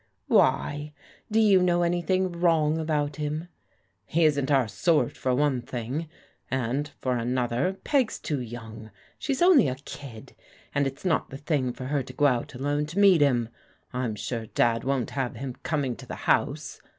" Why ? Do you know anything wrong about him ?" "He isn't our sort for one thing, and for another. Peg's too young. She's only a kid, and it's not the thing for her to go out alone to meet him. I'm sure Dad won't have him coming to the house.